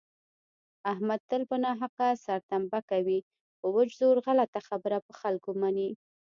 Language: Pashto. احمد تل په ناحقه سرتنبه کوي په وچ زور غلطه خبره په خلکو مني.